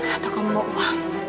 atau kamu mau uang